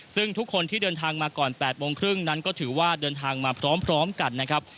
ซึ่งทุกคนที่เดินทางมาก่อน๘โมงครึ่งนั้นก็ถือว่าเดินทางมาพร้อมกันนะครับ